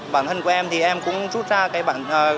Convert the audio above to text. bản thân của em thì em cũng rút ra cái bản